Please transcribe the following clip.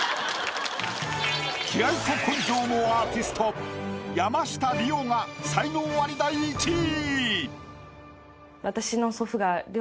気合と根性のアーティスト山下リオが才能アリ第１位。